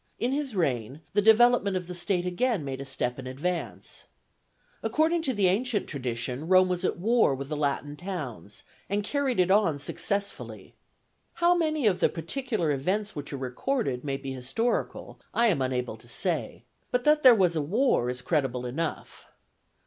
In his reign, the development of the state again made a step in advance. According to the ancient tradition, Rome was at war with the Latin towns, and carried it on successfully. How many of the particular events which are recorded may be historical I am unable to say; but that there was a war is credible enough.